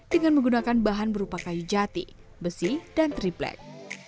dengan menggunakan bahan berupa kayu jati besi dan triplek